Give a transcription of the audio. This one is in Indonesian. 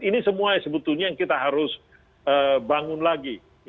ini semua sebetulnya yang kita harus bangun lagi